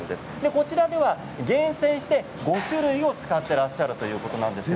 こちらでは厳選して５種類を使っていらっしゃるということなんです。